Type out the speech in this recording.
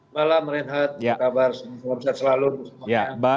malam rehat apa kabar selamat siang selalu